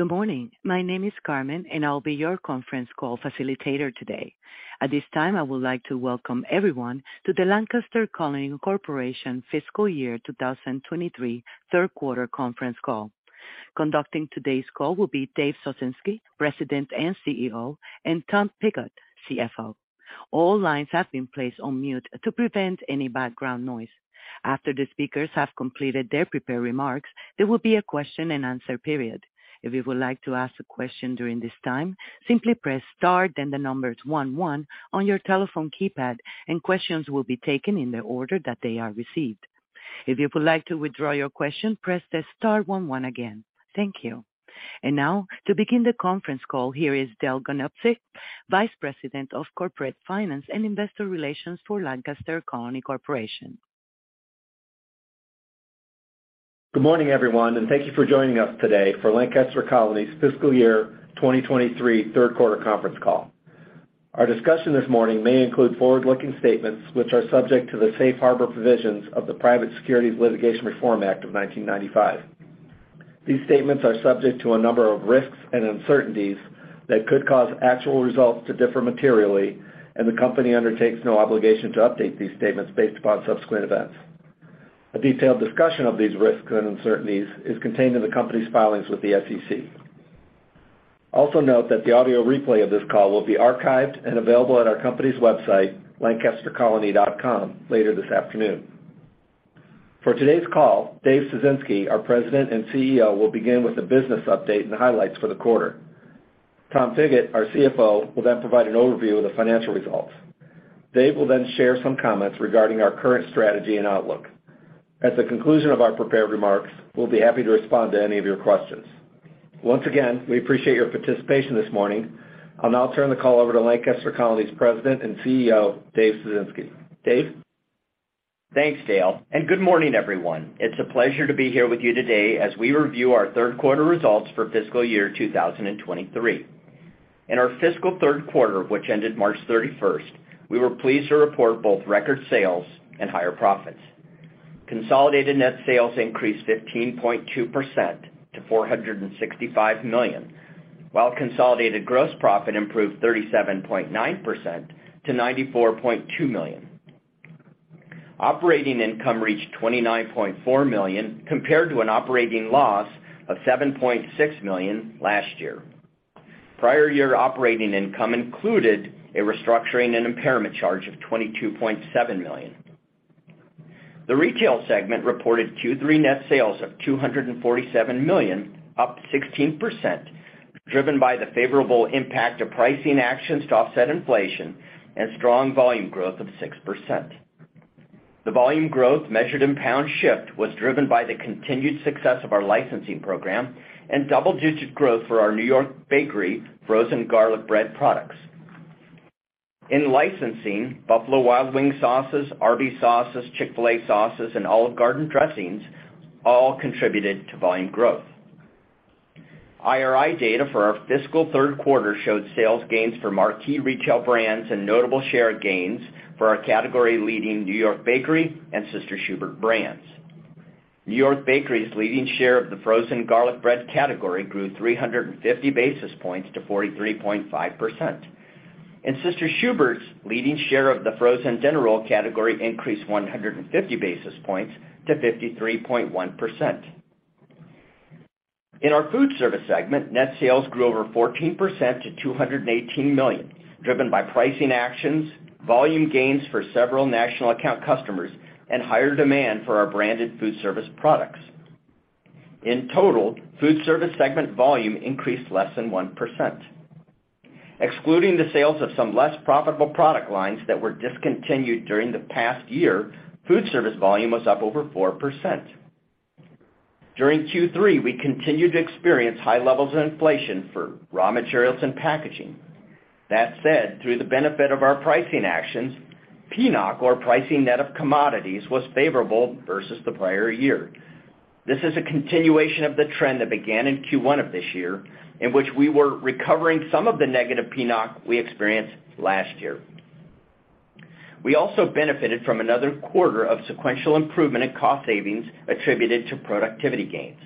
Good morning. My name is Carmen, and I'll be your conference call facilitator today. At this time, I would like to welcome everyone to the Lancaster Colony Corporation Fiscal Year 2023 3rd quarter conference call. Conducting today's call will be Dave Ciesinski, President and CEO, and Tom Pigott, CFO. All lines have been placed on mute to prevent any background noise. After the speakers have completed their prepared remarks, there will be a question-and-answer period. If you would like to ask a question during this time, simply press star, then the numbers 1 on your telephone keypad, questions will be taken in the order that they are received. If you would like to withdraw your question, press the star one one again. Thank you. Now, to begin the conference call, here is Dale N. Ganobsik, Vice President, Corporate Finance and Investor Relations for Lancaster Colony Corporation. Good morning, everyone, and thank you for joining us today for Lancaster Colony's fiscal year 2023 third quarter conference call. Our discussion this morning may include forward-looking statements which are subject to the safe harbor provisions of the Private Securities Litigation Reform Act of 1995. These statements are subject to a number of risks and uncertainties that could cause actual results to differ materially, and the company undertakes no obligation to update these statements based upon subsequent events. A detailed discussion of these risks and uncertainties is contained in the company's filings with the SEC. Also note that the audio replay of this call will be archived and available at our company's website, lancastercolony.com, later this afternoon. For today's call, Dave Ciesinski, our President and CEO, will begin with a business update and highlights for the quarter. Tom Pigott, our CFO, will provide an overview of the financial results. Dave will share some comments regarding our current strategy and outlook. At the conclusion of our prepared remarks, we'll be happy to respond to any of your questions. Once again, we appreciate your participation this morning. I'll now turn the call over to Lancaster Colony's President and CEO, Dave Ciesinski. Dave? Thanks, Dale. Good morning, everyone. It's a pleasure to be here with you today as we review our third quarter results for fiscal year 2023. In our fiscal third quarter, which ended March 31st, we were pleased to report both record sales and higher profits. Consolidated net sales increased 15.2% to $465 million, while consolidated gross profit improved 37.9% to $94.2 million. Operating income reached $29.4 million compared to an operating loss of $7.6 million last year. Prior year operating income included a restructuring and impairment charge of $22.7 million. The retail segment reported Q3 net sales of $247 million, up 16%, driven by the favorable impact of pricing actions to offset inflation and strong volume growth of 6%. The volume growth, measured in pounds shipped, was driven by the continued success of our licensing program and double-digit growth for our New York Bakery frozen garlic bread products. In licensing, Buffalo Wild Wings sauces, Arby's sauces, Chick-fil-A sauces, and Olive Garden dressings all contributed to volume growth. IRI data for our fiscal third quarter showed sales gains for marquee retail brands and notable share gains for our category-leading New York Bakery and Sister Schubert's brands. New York Bakery's leading share of the frozen garlic bread category grew 350 basis points to 43.5%. Sister Schubert's leading share of the frozen dinner roll category increased 150 basis points to 53.1%. In our food service segment, net sales grew over 14% to $218 million, driven by pricing actions, volume gains for several national account customers, and higher demand for our branded food service products. In total, food service segment volume increased less than 1%. Excluding the sales of some less profitable product lines that were discontinued during the past year, food service volume was up over 4%. During Q3, we continued to experience high levels of inflation for raw materials and packaging. That said, through the benefit of our pricing actions, PNOC, or Pricing Net Of Commodities, was favorable versus the prior year. This is a continuation of the trend that began in Q1 of this year, in which we were recovering some of the negative PNOC we experienced last year. We also benefited from another quarter of sequential improvement in cost savings attributed to productivity gains.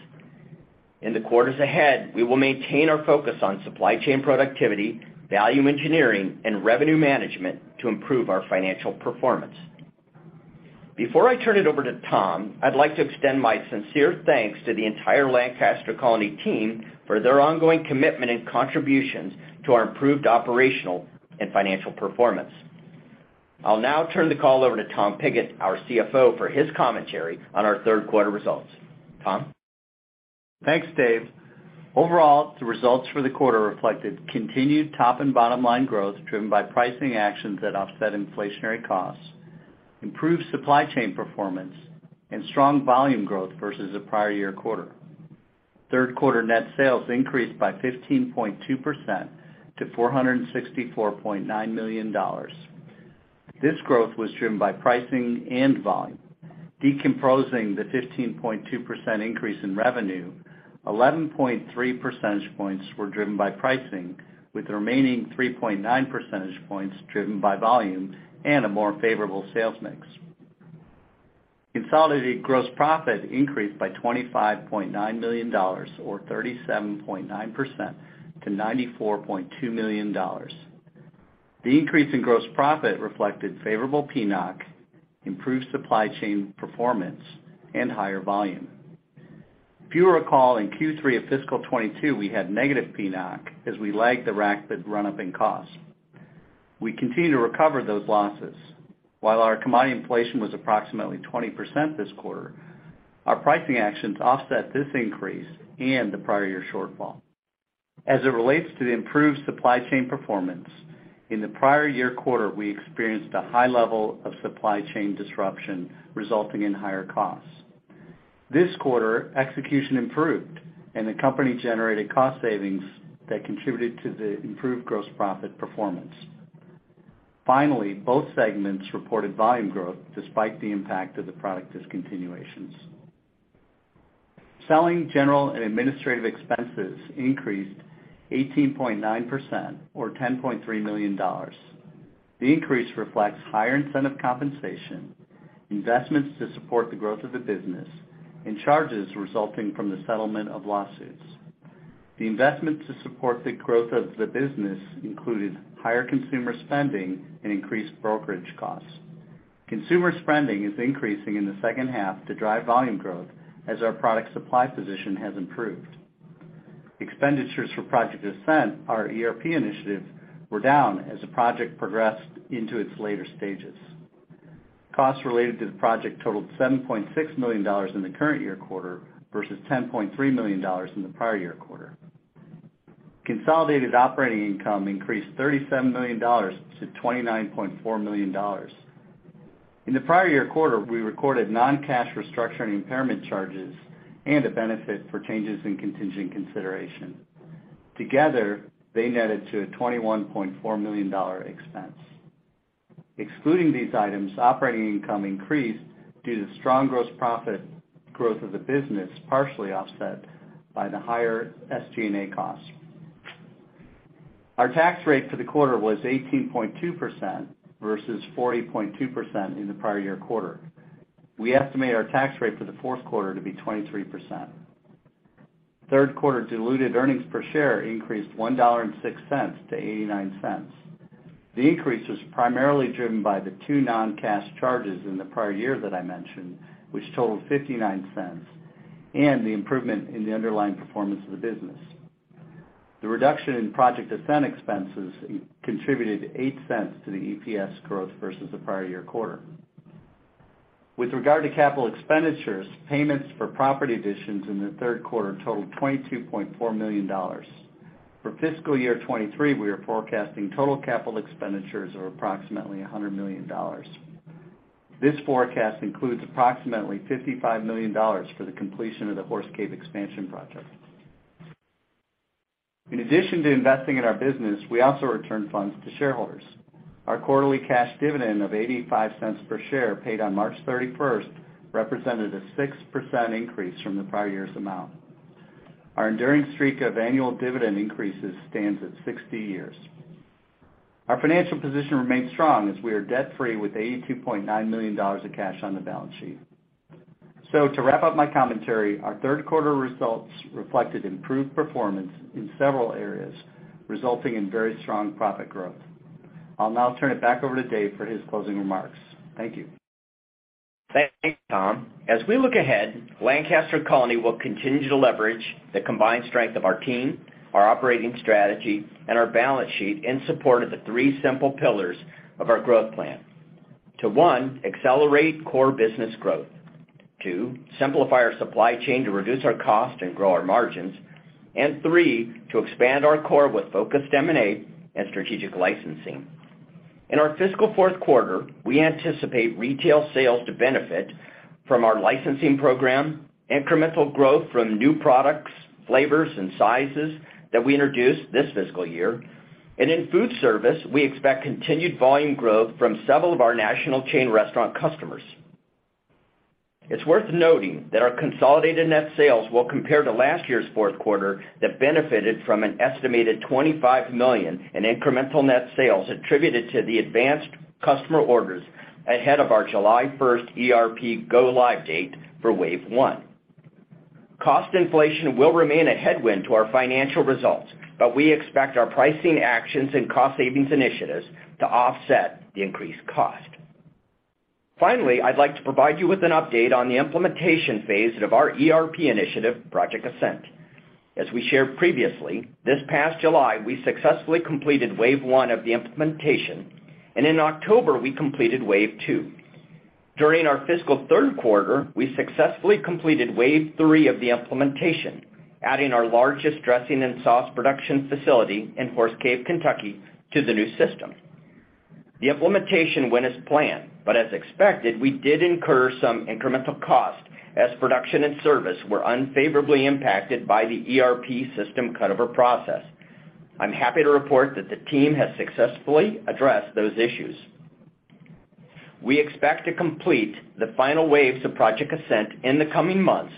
In the quarters ahead, we will maintain our focus on supply chain productivity, value engineering, and revenue management to improve our financial performance. Before I turn it over to Tom, I'd like to extend my sincere thanks to the entire Lancaster Colony team for their ongoing commitment and contributions to our improved operational and financial performance. I'll now turn the call over to Tom Pigott, our CFO, for his commentary on our third quarter results. Tom? Thanks, Dave. Overall, the results for the quarter reflected continued top and bottom line growth driven by pricing actions that offset inflationary costs, improved supply chain performance, and strong volume growth versus the prior year quarter. Third quarter net sales increased by 15.2% to $464.9 million. This growth was driven by pricing and volume. Decomposing the 15.2% increase in revenue, 11.3 percentage points were driven by pricing, with the remaining 3.9 percentage points driven by volume and a more favorable sales mix. Consolidated gross profit increased by $25.9 million, or 37.9% to $94.2 million. The increase in gross profit reflected favorable PNOC, improved supply chain performance, and higher volume. If you recall, in Q3 of fiscal 2022, we had negative PNOC as we lagged the rapid run-up in costs. We continue to recover those losses. While our commodity inflation was approximately 20% this quarter, our pricing actions offset this increase and the prior year shortfall. As it relates to the improved supply chain performance, in the prior year quarter, we experienced a high level of supply chain disruption resulting in higher costs. This quarter, execution improved and the company generated cost savings that contributed to the improved gross profit performance. Finally, both segments reported volume growth despite the impact of the product discontinuations. Selling, general and administrative expenses increased 18.9% or $10.3 million. The increase reflects higher incentive compensation, investments to support the growth of the business, and charges resulting from the settlement of lawsuits. The investment to support the growth of the business included higher consumer spending and increased brokerage costs. Consumer spending is increasing in the second half to drive volume growth as our product supply position has improved. Expenditures for Project Ascent, our ERP initiative, were down as the project progressed into its later stages. Costs related to the project totaled $7.6 million in the current year quarter versus $10.3 million in the prior year quarter. Consolidated operating income increased $37 million-$29.4 million. In the prior year quarter, we recorded non-cash restructuring impairment charges and a benefit for changes in contingent consideration. Together, they netted to a $21.4 million expense. Excluding these items, operating income increased due to strong gross profit growth of the business, partially offset by the higher SG&A costs. Our tax rate for the quarter was 18.2% versus 40.2% in the prior year quarter. We estimate our tax rate for the fourth quarter to be 23%. Third quarter diluted earnings per share increased $1.06-$0.89. The increase was primarily driven by the two non-cash charges in the prior year that I mentioned, which totaled $0.59, and the improvement in the underlying performance of the business. The reduction in Project Ascent expenses contributed $0.08 to the EPS growth versus the prior year quarter. With regard to capital expenditures, payments for property additions in the third quarter totaled $22.4 million. For fiscal year 2023, we are forecasting total capital expenditures of approximately $100 million. This forecast includes approximately $55 million for the completion of the Horse Cave expansion project. In addition to investing in our business, we also return funds to shareholders. Our quarterly cash dividend of $0.85 per share paid on March 31st represented a 6% increase from the prior year's amount. Our enduring streak of annual dividend increases stands at 60 years. Our financial position remains strong as we are debt-free with $82.9 million of cash on the balance sheet. To wrap up my commentary, our third quarter results reflected improved performance in several areas, resulting in very strong profit growth. I'll now turn it back over to Dave for his closing remarks. Thank you. Thanks, Tom. As we look ahead, Lancaster Colony will continue to leverage the combined strength of our team, our operating strategy, and our balance sheet in support of the three simple pillars of our growth plan. To one, accelerate core business growth. Two, simplify our supply chain to reduce our cost and grow our margins. Three, to expand our core with focused M&A and strategic licensing. In our fiscal fourth quarter, we anticipate retail sales to benefit from our licensing program, incremental growth from new products, flavors, and sizes that we introduced this fiscal year. In food service, we expect continued volume growth from several of our national chain restaurant customers. It's worth noting that our consolidated net sales will compare to last year's fourth quarter that benefited from an estimated $25 million in incremental net sales attributed to the advanced customer orders ahead of our July 1st ERP go live date for wave one. Cost inflation will remain a headwind to our financial results, we expect our pricing actions and cost savings initiatives to offset the increased cost. Finally, I'd like to provide you with an update on the implementation phase of our ERP initiative, Project Ascent. As we shared previously, this past July, we successfully completed wave one of the implementation, in October, we completed wave two. During our fiscal third quarter, we successfully completed wave three of the implementation, adding our largest dressing and sauce production facility in Horse Cave, Kentucky, to the new system. The implementation went as planned, but as expected, we did incur some incremental cost as production and service were unfavorably impacted by the ERP system cutover process. I'm happy to report that the team has successfully addressed those issues. We expect to complete the final waves of Project Ascent in the coming months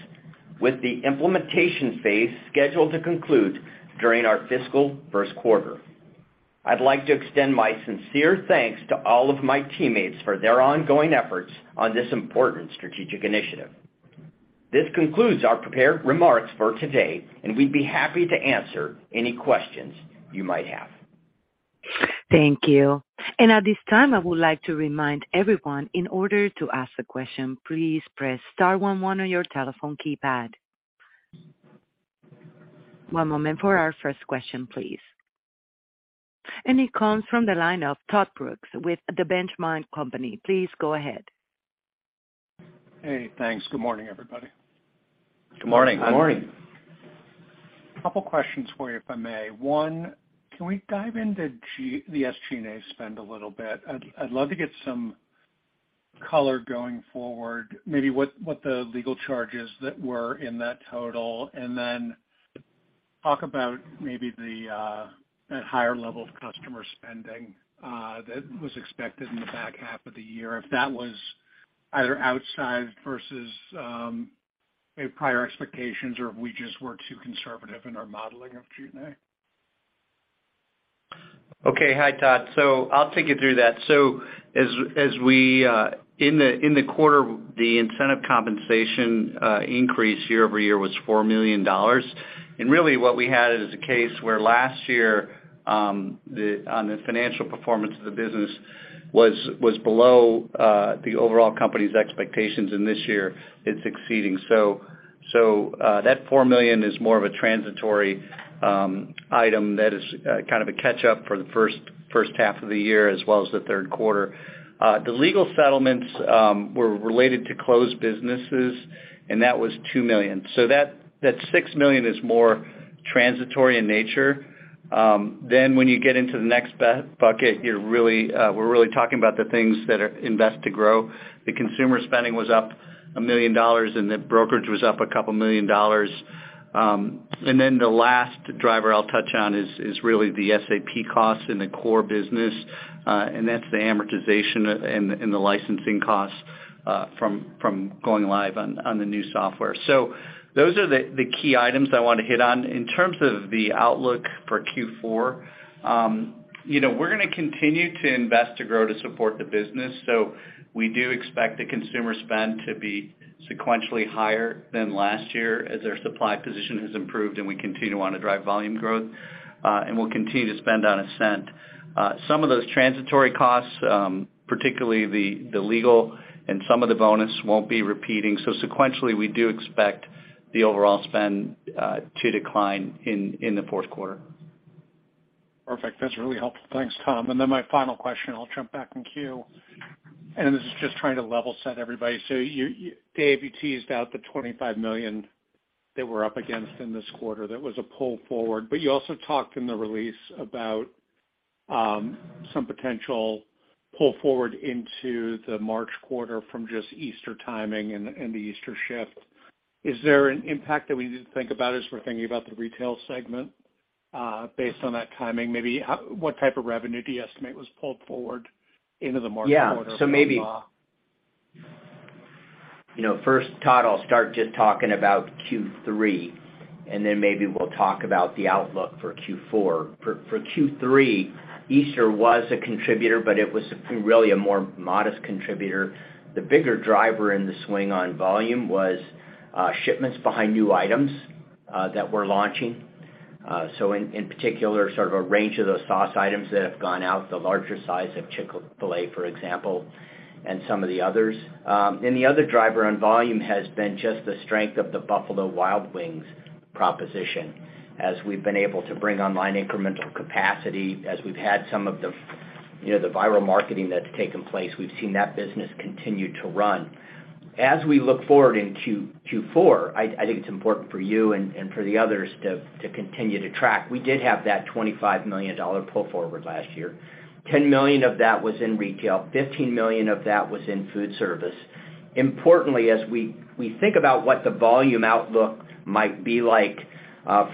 with the implementation phase scheduled to conclude during our fiscal first quarter. I'd like to extend my sincere thanks to all of my teammates for their ongoing efforts on this important strategic initiative. This concludes our prepared remarks for today. We'd be happy to answer any questions you might have. Thank you. At this time, I would like to remind everyone in order to ask a question, please press star one one on your telephone keypad. One moment for our first question, please. It comes from the line of Todd Brooks with The Benchmark Company. Please go ahead. Hey, thanks. Good morning, everybody. Good morning. Good morning. Couple questions for you, if I may. One, can we dive into the SG&A spend a little bit? I'd love to get some color going forward, maybe what the legal charges that were in that total, and then talk about maybe the that higher level of customer spending that was expected in the back half of the year, if that was either outsized versus maybe prior expectations or if we just were too conservative in our modeling of G&A? Okay. Hi, Todd. I'll take you through that. As we in the quarter, the incentive compensation increase year-over-year was $4 million. Really what we had is a case where last year, on the financial performance of the business was below the overall company's expectations, and this year it's exceeding. That $4 million is more of a transitory item that is kind of a catch up for the first half of the year as well as the third quarter. The legal settlements were related to closed businesses, and that was $2 million. That $6 million is more transitory in nature. When you get into the next bucket, you're really, we're really talking about the things that are invest to grow. The consumer spending was up $1 million, and the brokerage was up a couple million dollars. The last driver I'll touch on is really the SAP costs in the core business, and that's the amortization and the licensing costs from going live on the new software. Those are the key items I want to hit on. In terms of the outlook for Q4, you know, we're gonna continue to invest to grow to support the business. We do expect the consumer spend to be sequentially higher than last year as their supply position has improved and we continue to want to drive volume growth, and we'll continue to spend on Ascent. Some of those transitory costs, particularly the legal and some of the bonus won't be repeating. sequentially, we do expect the overall spend, to decline in the fourth quarter. Perfect. That's really helpful. Thanks, Tom. My final question, I'll jump back in queue. This is just trying to level set everybody. Dave, you teased out the $25 million that we're up against in this quarter. That was a pull forward. You also talked in the release about some potential pull forward into the March quarter from just Easter timing and the Easter shift. Is there an impact that we need to think about as we're thinking about the retail segment based on that timing? Maybe what type of revenue do you estimate was pulled forward into the March quarter from? You know, first, Todd, I'll start just talking about Q3, and then maybe we'll talk about the outlook for Q4. For Q3, Easter was a contributor, but it was really a more modest contributor. The bigger driver in the swing on volume was shipments behind new items that we're launching. In particular, sort of a range of those sauce items that have gone out, the larger size of Chick-fil-A, for example, and some of the others. The other driver on volume has been just the strength of the Buffalo Wild Wings proposition as we've been able to bring online incremental capacity, as we've had some of the, you know, the viral marketing that's taken place, we've seen that business continue to run. As we look forward in Q4, I think it's important for you and for the others to continue to track. We did have that $25 million pull forward last year. $10 million of that was in retail. $15 million of that was in food service. Importantly, as we think about what the volume outlook might be like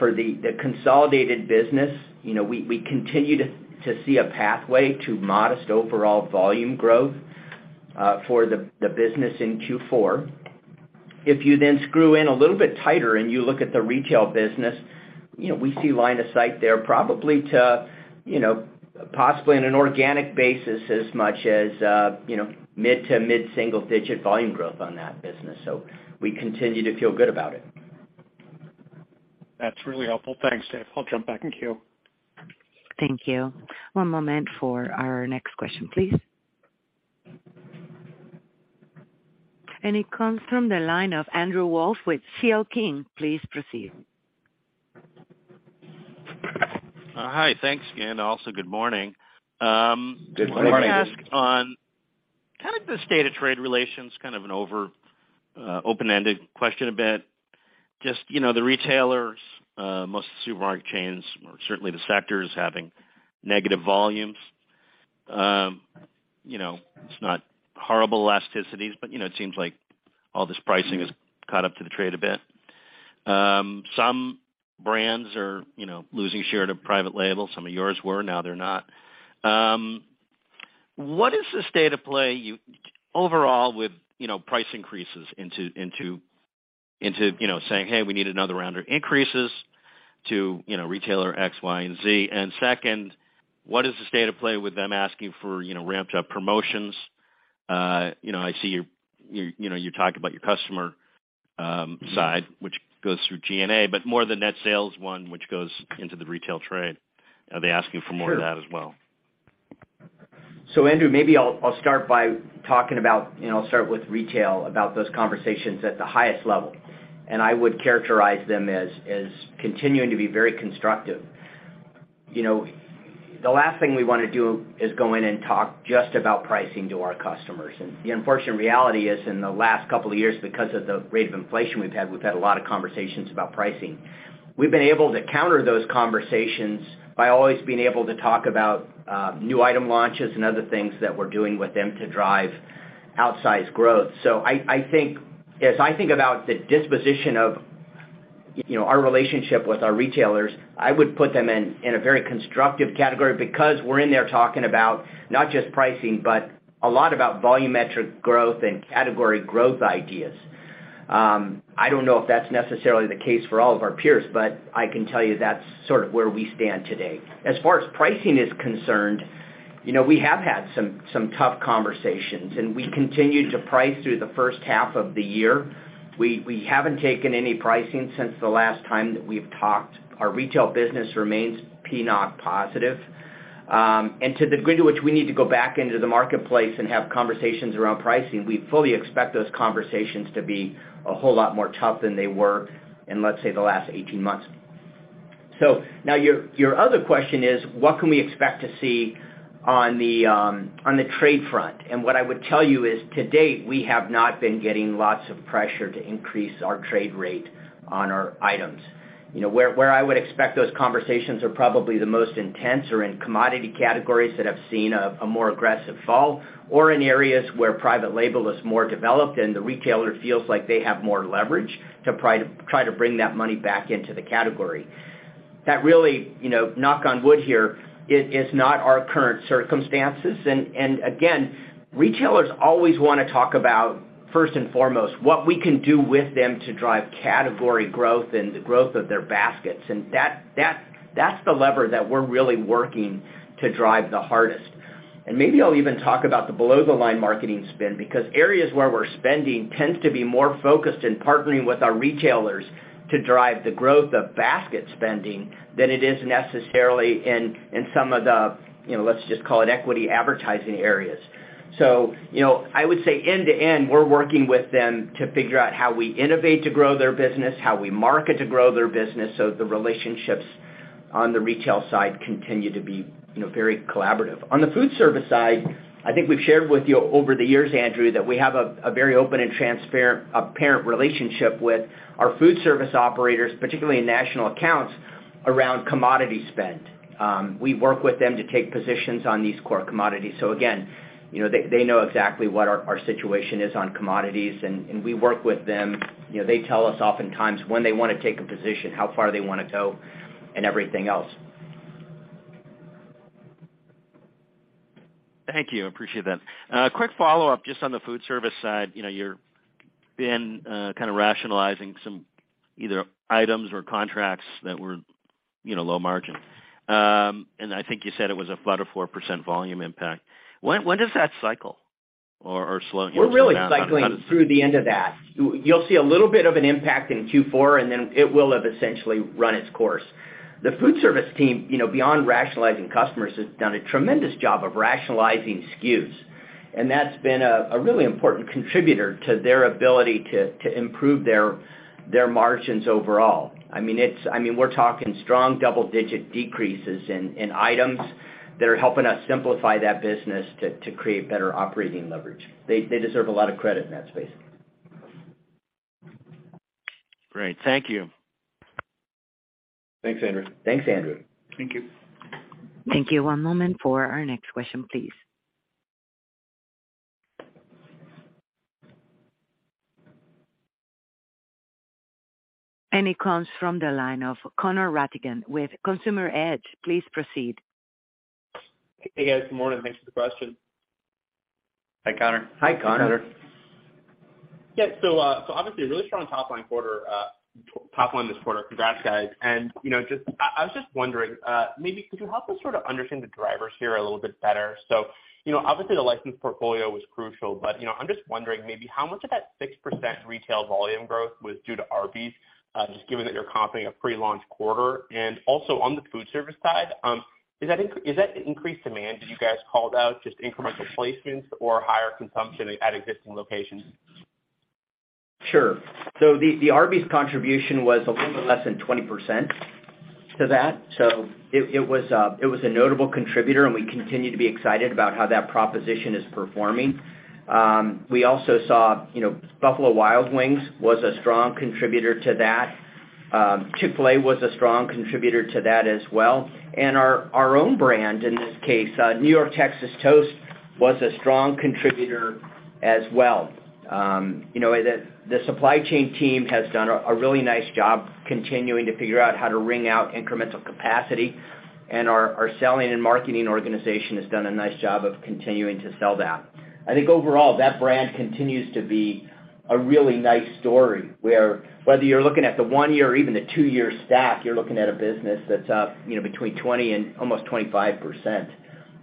for the consolidated business, you know, we continue to see a pathway to modest overall volume growth for the business in Q4. If you then screw in a little bit tighter and you look at the retail business, you know, we see line of sight there probably to, you know, possibly on an organic basis as much as, you know, mid to mid single digit volume growth on that business. We continue to feel good about it. That's really helpful. Thanks, Dave. I'll jump back in queue. Thank you. One moment for our next question, please. It comes from the line of Andrew Wolf with C.L. King. Please proceed. Hi. Thanks again. Good morning. Good morning. Let me ask on kind of the state of trade relations, kind of an open-ended question a bit. Just, you know, the retailers, most of the supermarket chains or certainly the sectors having negative volumes. You know, it's not horrible elasticities, but, you know, it seems like all this pricing has caught up to the trade a bit. Some brands are, you know, losing share to private label. Some of yours were, now they're not. What is the state of play overall with, you know, price increases into, you know, saying, "Hey, we need another round of increases to, you know, retailer X, Y, and Z?" Second, what is the state of play with them asking for, you know, ramped up promotions? You know, I see your, you know, you talk about your customer side, which goes through G&A, but more the net sales one, which goes into the retail trade. Are they asking for more of that as well? Andrew, maybe I'll start by talking about, you know, start with retail about those conversations at the highest level, I would characterize them as continuing to be very constructive. You know, the last thing we wanna do is go in and talk just about pricing to our customers. The unfortunate reality is, in the last couple of years, because of the rate of inflation we've had, we've had a lot of conversations about pricing. We've been able to counter those conversations by always being able to talk about new item launches and other things that we're doing with them to drive outsized growth. I think, as I think about the disposition of, you know, our relationship with our retailers, I would put them in a very constructive category because we're in there talking about not just pricing, but a lot about volumetric growth and category growth ideas. I don't know if that's necessarily the case for all of our peers, but I can tell you that's sort of where we stand today. As far as pricing is concerned, you know, we have had some tough conversations, and we continue to price through the first half of the year. We haven't taken any pricing since the last time that we've talked. Our retail business remains PNOC positive. To the degree to which we need to go back into the marketplace and have conversations around pricing, we fully expect those conversations to be a whole lot more tough than they were in, let's say, the last 18 months. Now your other question is what can we expect to see on the trade front? What I would tell you is, to date, we have not been getting lots of pressure to increase our trade rate on our items. You know, where I would expect those conversations are probably the most intense are in commodity categories that have seen a more aggressive fall or in areas where private label is more developed and the retailer feels like they have more leverage to try to bring that money back into the category. That really, you know, knock on wood here is not our current circumstances. Again, retailers always wanna talk about, first and foremost, what we can do with them to drive category growth and the growth of their baskets. That's the lever that we're really working to drive the hardest. Maybe I'll even talk about the below-the-line marketing spend, because areas where we're spending tends to be more focused in partnering with our retailers to drive the growth of basket spending than it is necessarily in some of the, you know, let's just call it equity advertising areas. You know, I would say end to end, we're working with them to figure out how we innovate to grow their business, how we market to grow their business, so the relationships on the retail side continue to be, you know, very collaborative. On the food service side, I think we've shared with you over the years, Andrew, that we have a very open and transparent parent relationship with our food service operators, particularly in national accounts, around commodity spend. We work with them to take positions on these core commodities. Again, you know, they know exactly what our situation is on commodities and we work with them. You know, they tell us oftentimes when they wanna take a position, how far they wanna go and everything else. Thank you. Appreciate that. quick follow-up just on the food service side. You know, you're been, kind of rationalizing some either items or contracts that were, you know, low margin. I think you said it was about a 4% volume impact. When does that cycle or slow down? We're really cycling through the end of that. You'll see a little bit of an impact in Q4, then it will have essentially run its course. The food service team, you know, beyond rationalizing customers, has done a tremendous job of rationalizing SKUs, that's been a really important contributor to their ability to improve their margins overall. I mean, we're talking strong double-digit decreases in items that are helping us simplify that business to create better operating leverage. They deserve a lot of credit in that space. Great. Thank you. Thanks, Andrew. Thanks, Andrew. Thank you. Thank you. One moment for our next question, please. It comes from the line of Connor Rattigan with Consumer Edge. Please proceed. Hey, guys. Good morning. Thanks for the question. Hi, Connor. Hi, Connor. Hi, Connor. Yeah. Obviously a really strong top line quarter, top line this quarter. Congrats, guys. You know, just, I was just wondering, maybe could you help us sort of understand the drivers here a little bit better? You know, obviously the license portfolio was crucial, but, you know, I'm just wondering maybe how much of that 6% retail volume growth was due to Arby's, just given that you're comping a pre-launch quarter. Also, on the food service side, is that increased demand that you guys called out just incremental placements or higher consumption at existing locations? Sure. The Arby's contribution was a little bit less than 20% to that. It was a notable contributor, and we continue to be excited about how that proposition is performing. We also saw, you know, Buffalo Wild Wings was a strong contributor to that. Chick-fil-A was a strong contributor to that as well. Our own brand, in this case, New York Texas Toast, was a strong contributor as well. You know, the supply chain team has done a really nice job continuing to figure out how to wring out incremental capacity. Our selling and marketing organization has done a nice job of continuing to sell that. I think overall, that brand continues to be a really nice story where whether you're looking at the one year or even the two-year stack, you're looking at a business that's up, you know, between 20% and almost 25%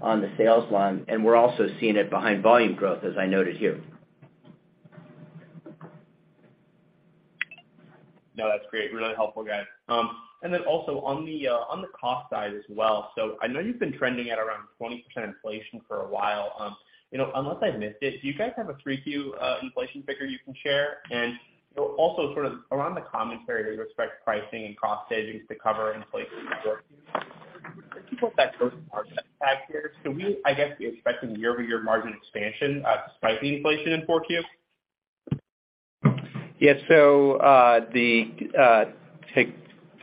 on the sales line. We're also seeing it behind volume growth, as I noted here. No, that's great. Really helpful, guys. On the cost side as well. I know you've been trending at around 20% inflation for a while. you know, unless I missed it, do you guys have a 3Q inflation figure you can share? sort of around the commentary with respect to pricing and cost savings to cover inflation, can we, I guess, be expecting year-over-year margin expansion, despite the inflation in 4Q? Yes.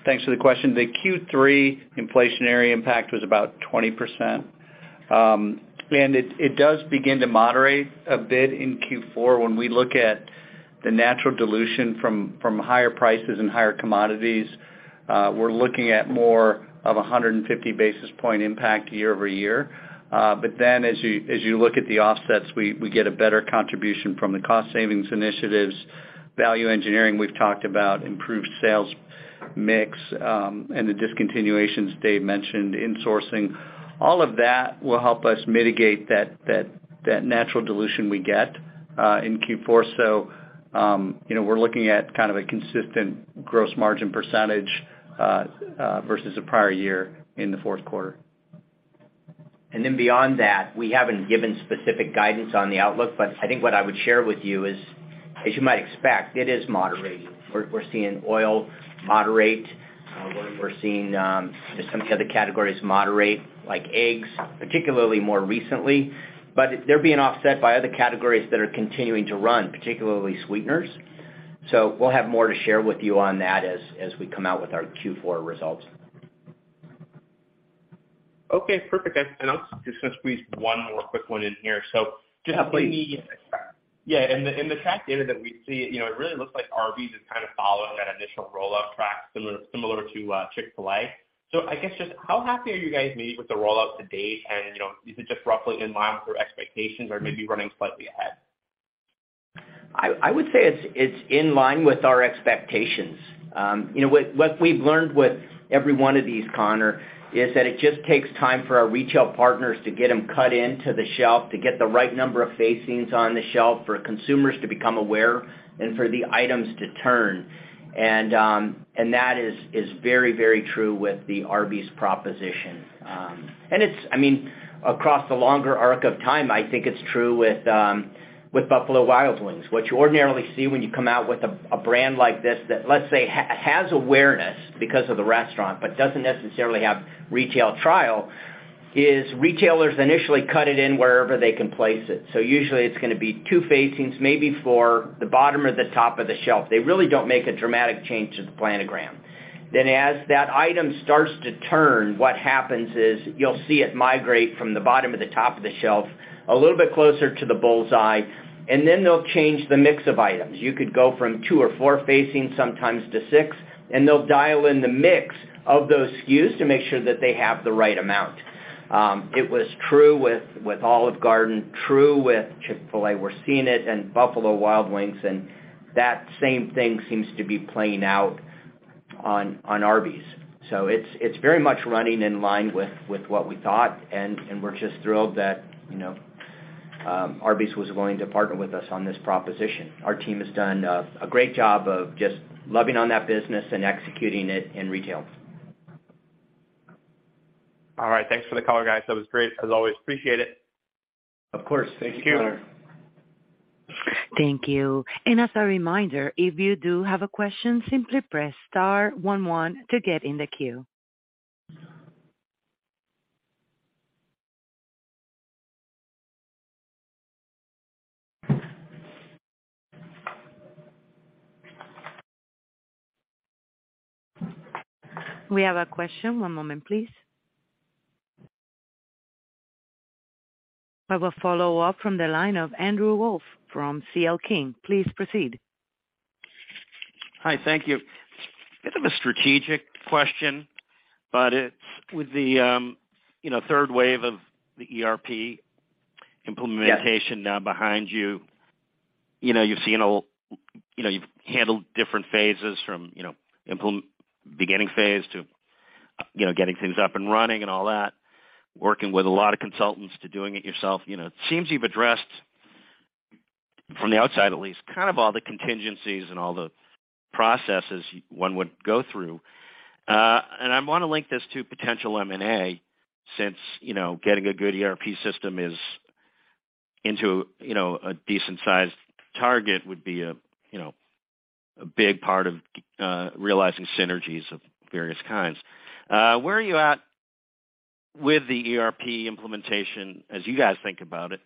Thanks for the question. The Q3 inflationary impact was about 20%. And it does begin to moderate a bit in Q4 when we look at the natural dilution from higher prices and higher commodities, we're looking at more of a 150 basis point impact year-over-year. But then as you look at the offsets, we get a better contribution from the cost savings initiatives, value engineering we've talked about, improved sales mix, and the discontinuations Dave mentioned, insourcing. All of that will help us mitigate that natural dilution we get in Q4. You know, we're looking at kind of a consistent gross margin percentage versus the prior year in the fourth quarter. Beyond that, we haven't given specific guidance on the outlook, but I think what I would share with you is, as you might expect, it is moderating. We're seeing oil moderate. We're seeing some of the other categories moderate, like eggs, particularly more recently. They're being offset by other categories that are continuing to run, particularly sweeteners. We'll have more to share with you on that as we come out with our Q4 results. Okay, perfect. I'll just squeeze one more quick one in here. Just. Yeah, please. Yeah. In the track data that we see, you know, it really looks like Arby's is kind of following that initial rollout track similar to Chick-fil-A. I guess just how happy are you guys maybe with the rollout to date? You know, is it just roughly in line with your expectations or maybe running slightly ahead? I would say it's in line with our expectations. You know, what we've learned with every one of these, Connor, is that it just takes time for our retail partners to get them cut into the shelf, to get the right number of facings on the shelf, for consumers to become aware and for the items to turn. That is very true with the Arby's proposition. I mean, across the longer arc of time, I think it's true with Buffalo Wild Wings. What you ordinarily see when you come out with a brand like this that let's say has awareness because of the restaurant, but doesn't necessarily have retail trial, is retailers initially cut it in wherever they can place it. Usually it's gonna be two facings, maybe for the bottom or the top of the shelf. They really don't make a dramatic change to the planogram. Then as that item starts to turn, what happens is you'll see it migrate from the bottom to the top of the shelf, a little bit closer to the bull's eye, and then they'll change the mix of items. You could go from two or four facings sometimes to six, and they'll dial in the mix of those SKUs to make sure that they have the right amount. It was true with Olive Garden, true with Chick-fil-A. We're seeing it in Buffalo Wild Wings, and that same thing seems to be playing out on Arby's. It's very much running in line with what we thought, and we're just thrilled that, you know, Arby's was willing to partner with us on this proposition. Our team has done a great job of just loving on that business and executing it in retail. All right. Thanks for the color, guys. That was great as always. Appreciate it. Of course. Thank you. Thank you. Thank you. As a reminder, if you do have a question, simply press star 11 to get in the queue. We have a question. One moment please. I have a follow-up from the line of Andrew Wolf from C.L. King. Please proceed. Hi. Thank you. Bit of a strategic question, but it's with the, you know, third wave of the ERP implementation. Yes. Now behind you. You know, you've seen, you know, you've handled different phases from, you know, beginning phase to, you know, getting things up and running and all that, working with a lot of consultants to doing it yourself. You know, it seems you've addressed from the outside at least, kind of all the contingencies and all the processes one would go through. I wanna link this to potential M&A since, you know, getting a good ERP system is into, you know, a decent sized target would be a, you know, a big part of realizing synergies of various kinds. Where are you at with the ERP implementation as you guys think about it?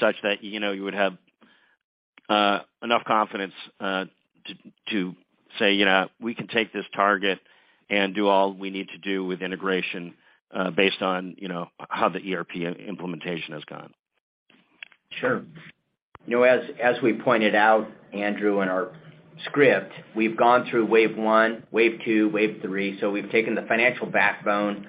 Such that, you know, you would have enough confidence To say, you know, we can take this target and do all we need to do with integration, based on, you know, how the ERP implementation has gone. Sure. You know, as we pointed out, Andrew, in our script, we've gone through wave one, wave two, wave three. We've taken the financial backbone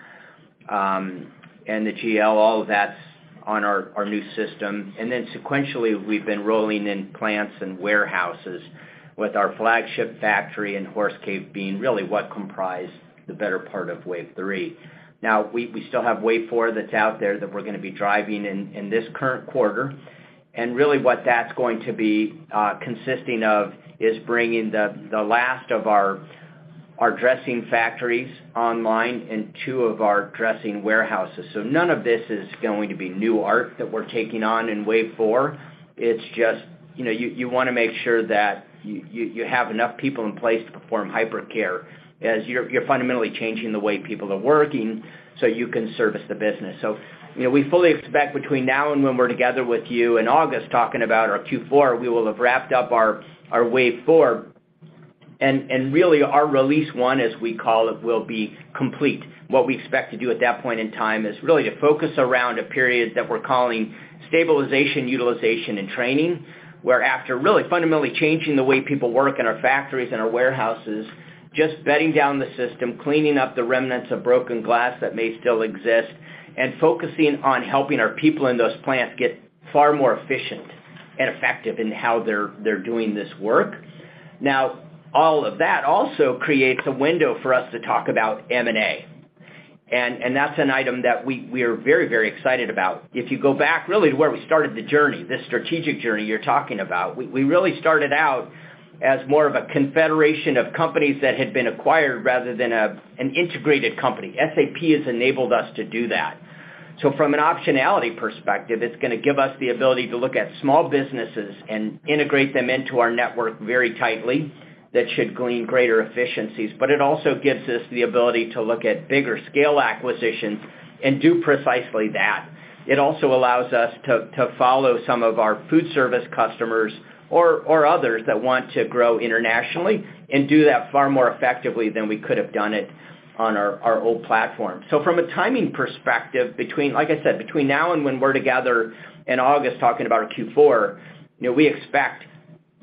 and the GL, all of that's on our new system. Then sequentially, we've been rolling in plants and warehouses with our flagship factory in Horse Cave being really what comprise the better part of wave three. Now, we still have wave four that's out there that we're gonna be driving in this current quarter. Really what that's going to be consisting of is bringing the last of our dressing factories online and two of our dressing warehouses. None of this is going to be new art that we're taking on in wave four. It's just, you know, you wanna make sure that you have enough people in place to perform hypercare as you're fundamentally changing the way people are working so you can service the business. You know, we fully expect between now and when we're together with you in August talking about our Q4, we will have wrapped up our wave four. Really our release one, as we call it, will be complete. What we expect to do at that point in time is really to focus around a period that we're calling stabilization, utilization, and training. Where after really fundamentally changing the way people work in our factories and our warehouses, just bedding down the system, cleaning up the remnants of broken glass that may still exist, and focusing on helping our people in those plants get far more efficient and effective in how they're doing this work. All of that also creates a window for us to talk about M&A. That's an item that we are very, very excited about. If you go back really to where we started the journey, this strategic journey you're talking about, we really started out as more of a confederation of companies that had been acquired rather than an integrated company. SAP has enabled us to do that. From an optionality perspective, it's gonna give us the ability to look at small businesses and integrate them into our network very tightly. That should glean greater efficiencies. It also gives us the ability to look at bigger scale acquisitions and do precisely that. It also allows us to follow some of our food service customers or others that want to grow internationally and do that far more effectively than we could have done it on our old platform. From a timing perspective between, like I said, between now and when we're together in August talking about our Q4, you know, we expect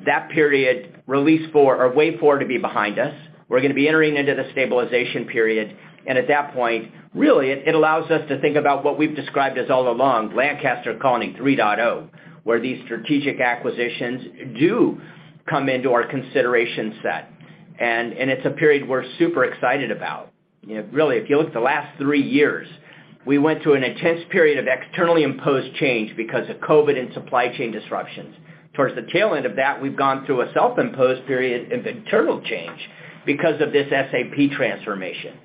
that period release four or wave four to be behind us. We're going to be entering into the stabilization period, and at that point, really, it allows us to think about what we've described as all along, Lancaster Colony 3.0, where these strategic acquisitions do come into our consideration set. It's a period we're super excited about. You know, really, if you look at the last 3 years, we went through an intense period of externally imposed change because of COVID and supply chain disruptions. Towards the tail end of that, we've gone through a self-imposed period of internal change because of this SAP transformation.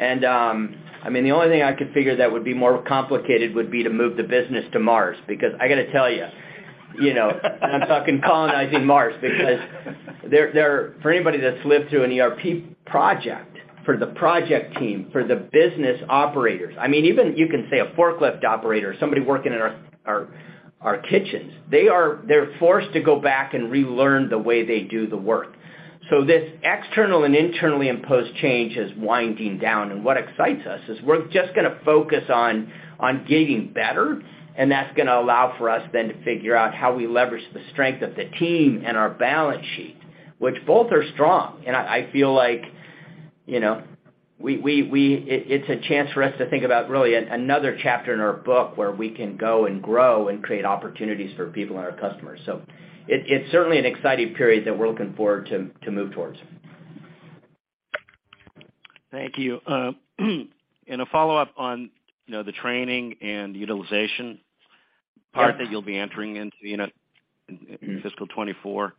I mean, the only thing I could figure that would be more complicated would be to move the business to Mars. I gotta tell you, I'm talking colonizing Mars because there. For anybody that's lived through an ERP project, for the project team, for the business operators, I mean, even you can say a forklift operator, somebody working in our kitchens, they're forced to go back and relearn the way they do the work. This external and internally imposed change is winding down. What excites us is we're just gonna focus on getting better, that's gonna allow for us then to figure out how we leverage the strength of the team and our balance sheet, which both are strong. I feel like, you know, It's a chance for us to think about really another chapter in our book where we can go and grow and create opportunities for people and our customers. It's certainly an exciting period that we're looking forward to move towards. Thank you. In a follow-up on, you know, the training and utilization part that you'll be entering into, you know, in fiscal 2024.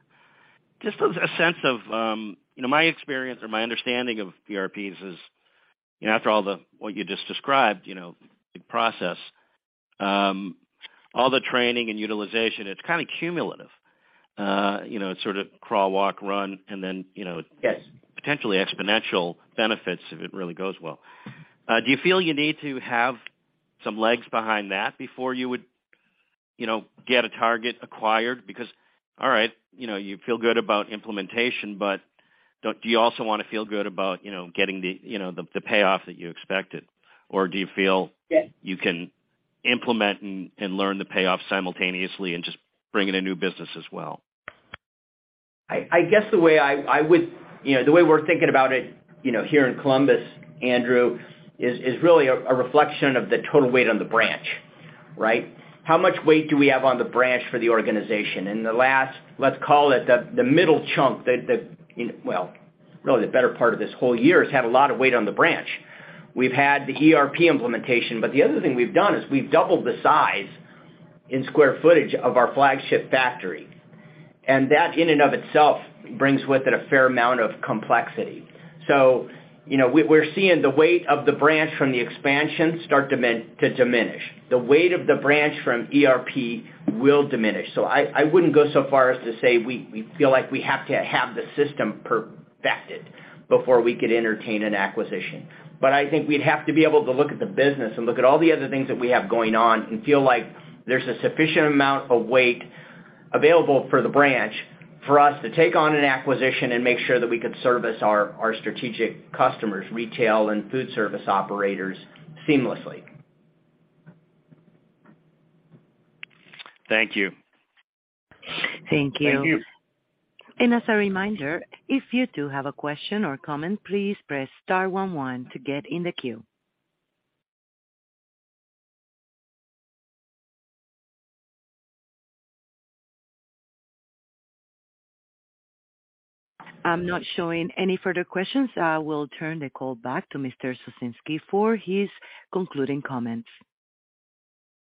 Just as a sense of, you know, my experience or my understanding of ERPs is, you know, after all the, what you just described, you know, big process, all the training and utilization, it's kind of cumulative. You know, it's sort of crawl, walk, run, and then, you know... Yes. -Potentially exponential benefits if it really goes well. Do you feel you need to have some legs behind that before you would, you know, get a target acquired? Because all right, you know, you feel good about implementation, but do you also wanna feel good about, you know, getting the, you know, the payoff that you expected? Yes. You can implement and learn the payoff simultaneously and just bring in a new business as well? I guess the way I, you know, the way we're thinking about it, you know, here in Columbus, Andrew, is really a reflection of the total weight on the branch, right? How much weight do we have on the branch for the organization? The last, let's call it the middle chunk. Well, really, the better part of this whole year has had a lot of weight on the branch. We've had the ERP implementation. The other thing we've done is we've doubled the size in square footage of our flagship factory. That in and of itself brings with it a fair amount of complexity. You know, we're seeing the weight of the branch from the expansion start to diminish. The weight of the branch from ERP will diminish. I wouldn't go so far as to say we feel like we have to have the system perfected before we could entertain an acquisition. But I think we'd have to be able to look at the business and look at all the other things that we have going on and feel like there's a sufficient amount of weight available for the branch for us to take on an acquisition and make sure that we could service our strategic customers, retail and food service operators seamlessly. Thank you. Thank you. Thank you. As a reminder, if you do have a question or comment, please press star one one to get in the queue. I'm not showing any further questions. I will turn the call back to Mr. Ciesinski for his concluding comments.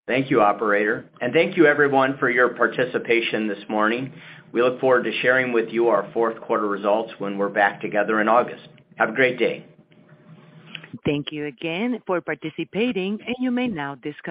Thank you, operator, and thank you everyone for your participation this morning. We look forward to sharing with you our fourth quarter results when we're back together in August. Have a great day. Thank you again for participating, and you may now disconnect.